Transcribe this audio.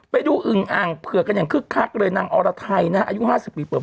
อึงอ่างเผือกกันอย่างคึกคักเลยนางอรไทยนะฮะอายุ๕๐ปีเปิด